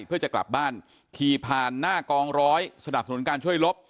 เพื่อจะกลับบ้านขี่ผ่านหน้ากองร้อยสนับสนุนการช่วยลบ